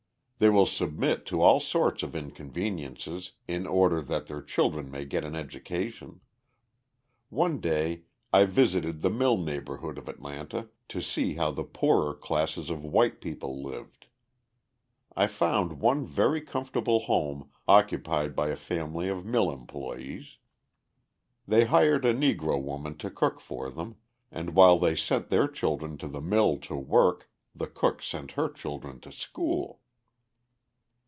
They will submit to all sorts of inconveniences in order that their children may get an education. One day I visited the mill neighbourhood of Atlanta to see how the poorer classes of white people lived. I found one very comfortable home occupied by a family of mill employees. They hired a Negro woman to cook for them, and while they sent their children to the mill to work, the cook sent her children to school!